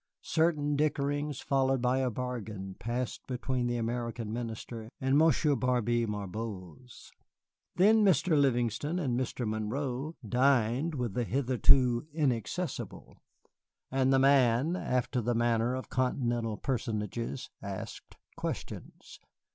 Certain dickerings followed by a bargain passed between the American Minister and Monsieur Barbé Marbois. Then Mr. Livingston and Mr. Monroe dined with the hitherto inaccessible. And the Man, after the manner of Continental Personages, asked questions.